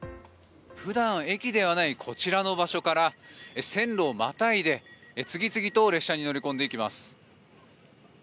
普段、駅ではないこちらの場所から線路をまたいで、次々と列車に乗り込んでいきます。